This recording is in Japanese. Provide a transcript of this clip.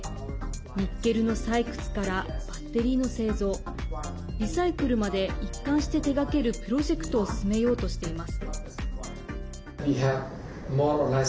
ニッケルの採掘からバッテリーの製造リサイクルまで一貫して手がけるプロジェクトを進めようとしています。